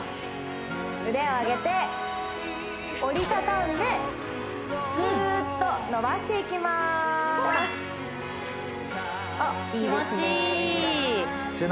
腕を上げて折り畳んでぐーっと伸ばしていきますいいですね